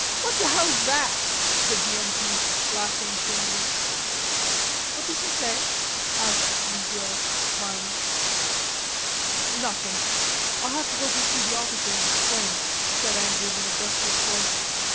"What the hell's that?" said the M. P., laughing thinly. "What does he say?" asked Genevieve, smiling. "Nothing. I'll have to go see the officer and explain," said Andrews in a breathless voice.